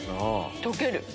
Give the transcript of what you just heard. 溶ける！